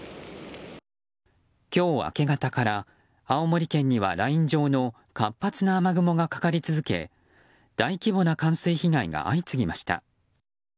今日明け方から青森県にはライン状の活発な雨雲がかかり続け大規模な冠水被害が相次ぎました。